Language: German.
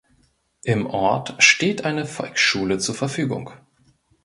Im Ort steht eine Volksschule zur Verfügung.